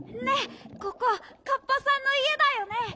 ねっここカッパさんのいえだよね？